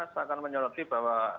saya akan menyeluruhkan bahwa